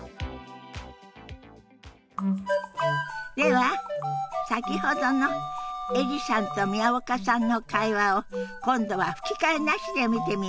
では先ほどのエリさんと宮岡さんの会話を今度は吹き替えなしで見てみましょう。